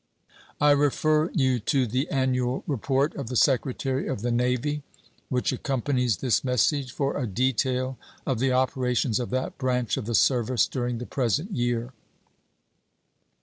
I refer you to the annual report of the Secretary of the Navy, which accompanies this message, for a detail of the operations of that branch of the service during the present year.